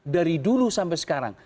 dari dulu sampai sekarang